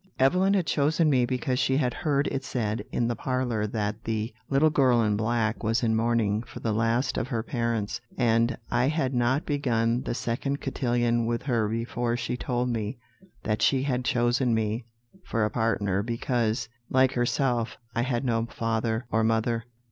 "Evelyn had chosen me because she had heard it said in the parlour that the little girl in black was in mourning for the last of her parents. And I had not begun the second cotillon with her before she told me that she had chosen me for a partner because, like herself, I had no father or mother.